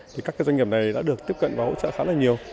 thì các doanh nghiệp này đã được tiếp cận và hỗ trợ khá là nhiều